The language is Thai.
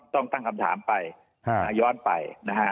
ต้องตั้งคำถามไปย้อนไปนะฮะ